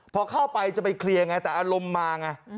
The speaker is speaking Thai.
พอเข้าไปจะไปเคลียร์ไงแต่อารมณ์มาไง